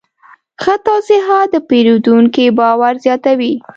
ښه توضیحات د پیرودونکي باور زیاتوي.